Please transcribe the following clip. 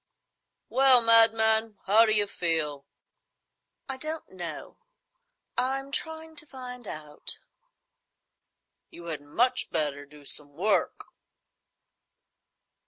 "Well, madman, how d'you feel?" "I don't know. I'm trying to find out." "You had much better do some work."